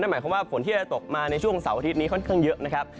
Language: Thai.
หมายความว่าฝนที่จะตกมาในช่วงเสาร์อาทิตย์นี้ค่อนข้างเยอะนะครับ